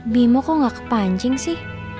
bimo kok gak kepancing sih